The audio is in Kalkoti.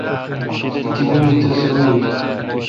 تپہ می تس روییل۔